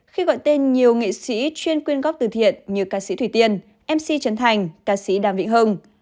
khi gọi tên nhiều nghệ sĩ chuyên quyên góp từ thiện như ca sĩ thủy tiên mc chấn thành ca sĩ đàm vĩnh hưng